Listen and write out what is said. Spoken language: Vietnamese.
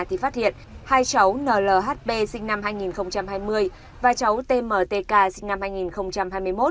thì phát hiện hai cháu nhp sinh năm hai nghìn hai mươi và cháu tmtk sinh năm hai nghìn hai mươi một